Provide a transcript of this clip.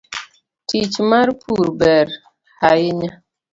Tich mar pur ber hainya.